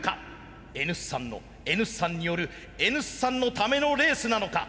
Ｎ産のＮ産によるＮ産のためのレースなのか。